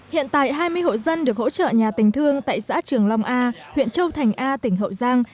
hiện tại hai mươi hộ dân được hỗ trợ nhà tình thương tại xã trường long a huyện châu thành a tỉnh hậu giang